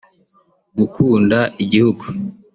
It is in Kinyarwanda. gukunda Igihugu